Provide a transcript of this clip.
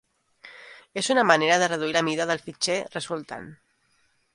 És una manera de reduir la mida del fitxer resultant.